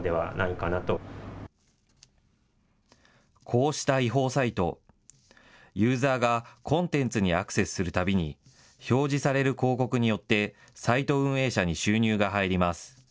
こうした違法サイト、ユーザーがコンテンツにアクセスするたびに、表示される広告によってサイト運営者に収入が入ります。